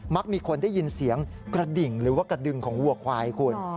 มีคนได้ยินเสียงกระดิ่งหรือว่ากระดึงของวัวควายคุณ